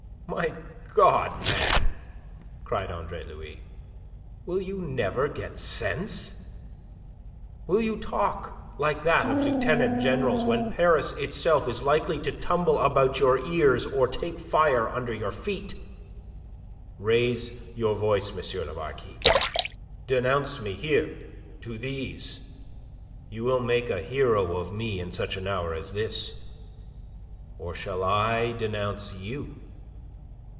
"My God, man!" cried Andre Louis, "will you never get sense? Will you talk like that of Lieutenant Generals when Paris itself is likely to tumble about your ears or take fire under your feet? Raise your voice, M. le Marquis. Denounce me here, to these. You will make a hero of me in such an hour as this. Or shall I denounce you?